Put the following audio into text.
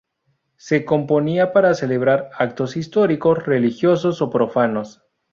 Se componía para celebrar actos históricos religiosos o profanos.